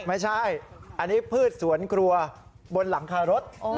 ไม่ใช่อันนี้พืชสวนครัวบนหลังคารถ